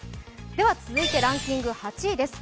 続いてランキング８位です。